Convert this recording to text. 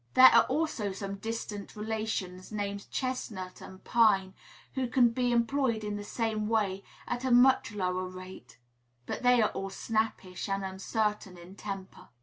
There are also some distant relations, named Chestnut and Pine, who can be employed in the same way, at a much lower rate; but they are all snappish and uncertain in temper.